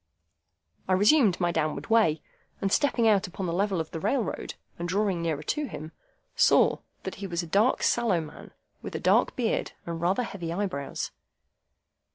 I resumed my downward way, and stepping out upon the level of the railroad, and drawing nearer to him, saw that he was a dark, sallow man, with a dark beard and rather heavy eyebrows.